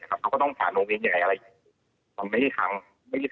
เราก็ต้องพาโรงพยาบาลที่ใหญ่เลย